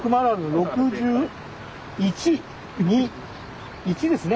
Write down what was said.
６１２１ですね。